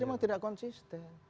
memang tidak konsisten